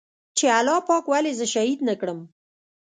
چې الله پاک ولې زه شهيد نه کړم.